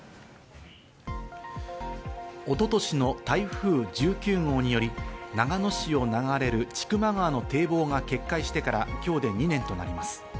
一昨年の台風１９号により、長野市を流れる千曲川の堤防が決壊してから今日で２年となります。